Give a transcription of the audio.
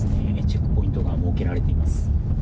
チェックポイントが設けられています。